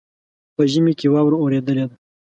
په ژمي کې واوره اوریدلې ده.